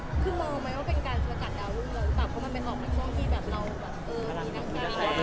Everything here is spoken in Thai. คือมองไหมว่าเป็นการสกัดดาวรุ่งเลยหรือเปล่าเพราะมันไปออกในช่วงที่แบบเราแบบเออมีนักกีฬา